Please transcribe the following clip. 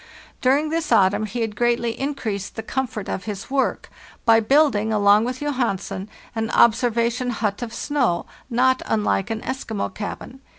During this autumn he had greatly increased the com fort of his work by building, along with Johansen, an observation hut of snow, not unlike an Eskimo cabin.